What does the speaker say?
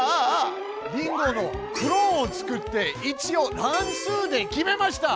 リンゴのクローンを作って位置を「乱数」で決めました！